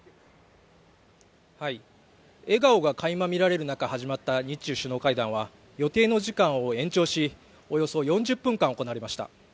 笑顔がかいま見られる中始まった日中首脳会談は予定の時間を延長し、およそ４０分間行われました。